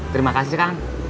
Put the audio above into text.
terima kasih kang